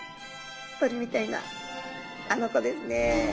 鳥みたいなあの子ですね。